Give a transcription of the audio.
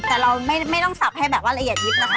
แต่เราไม่ต้องสับให้แบบว่าละเอียดยิบนะคะ